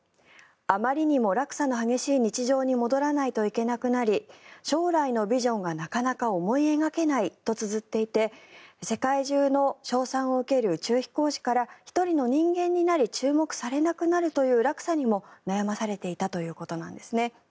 あまりにも落差の激しい日常に戻らないといけなくなり将来のビジョンがなかなか思い描けないとつづっていて世界中の称賛を受ける宇宙飛行士から１人の人間になり注目されなくなるという落差にも悩まされていたということなんです。